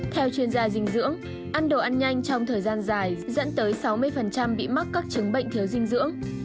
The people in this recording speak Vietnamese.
theo chuyên gia dinh dưỡng ăn đồ ăn nhanh trong thời gian dài dẫn tới sáu mươi bị mắc các chứng bệnh thiếu dinh dưỡng